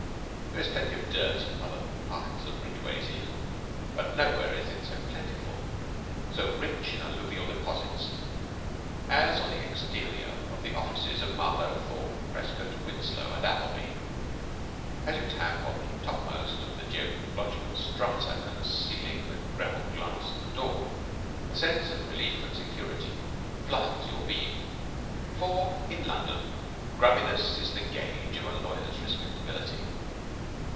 There is plenty of dirt in other parts of Ridgeway's Inn, but nowhere is it so plentiful, so rich in alluvial deposits, as on the exterior of the offices of Marlowe, Thorpe, Prescott, Winslow and Appleby. As you tap on the topmost of the geological strata concealing the ground glass of the door, a sense of relief and security floods your being. For in London grubbiness is the gauge of a lawyer's respectability.